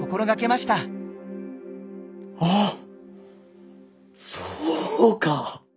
あそうか！